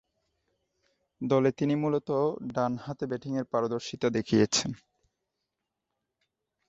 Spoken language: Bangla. দলে তিনি মূলতঃ ডানহাতে ব্যাটিংয়ে পারদর্শীতা দেখিয়েছেন।